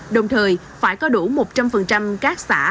đồng thời phải có đủ một trăm linh các xã